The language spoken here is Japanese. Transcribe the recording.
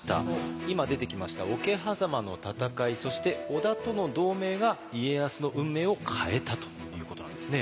今出てきました桶狭間の戦いそして織田との同盟が家康の運命を変えたということなんですね。